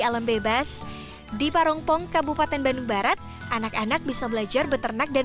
alam bebas di parongpong kabupaten bandung barat anak anak bisa belajar beternak dan